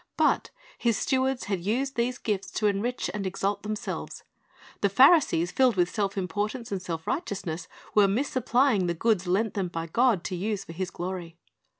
But His stewards had used these gifts to enrich and exalt themselves. The Pharisees, filled with self importance and self righteousness, were misapplying the goods lent them by God to use for His glory.